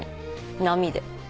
波で。